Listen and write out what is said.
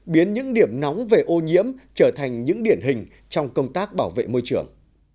biến những điểm nóng về ô nhiễm trở thành những điển hình trong công tác bảo vệ môi trường